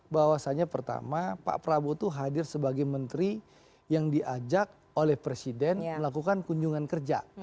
bahwasannya pertama pak prabowo itu hadir sebagai menteri yang diajak oleh presiden melakukan kunjungan kerja